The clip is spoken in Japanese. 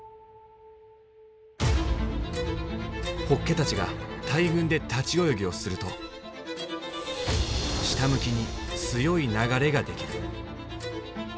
ホッケたちが大群で立ち泳ぎをすると下向きに強い流れが出来る。